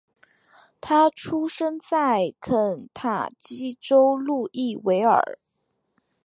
他出生在肯塔基州路易维尔。